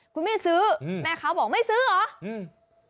คุณไม่ซื้อแม่เขาบอกไม่ซื้อเหรอ